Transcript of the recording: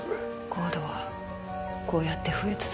ＣＯＤＥはこうやって増え続ける。